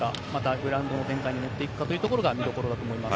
グラウンドの展開に持っていくところが見どころだと思います。